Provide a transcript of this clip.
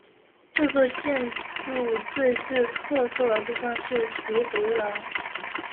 这座建筑最具特色的部分是其回廊。